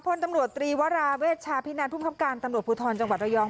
พลตำรวจตรีวราเวชชาพินันภูมิคับการตำรวจภูทรจังหวัดระยอง